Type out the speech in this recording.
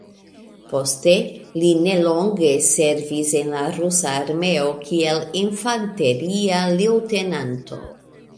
Poste li nelonge servis en la Rusa armeo kiel infanteria leŭtenanto.